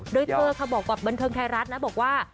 โดยเธอค่ะบอกกับบันเทิงไทยรัฐนะบอกว่า